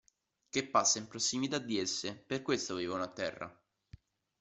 Che passa in prossimità di esse per questo vivono a terra.